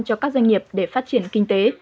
cho các doanh nghiệp để phát triển kinh tế